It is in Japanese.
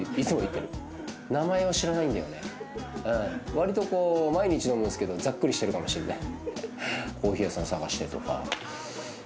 割と毎日飲むんですけどざっくりしてるかもしれない。